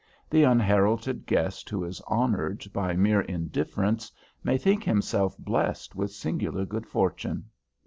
The unheralded guest who is honored by mere indifference may think himself blessed with singular good fortune.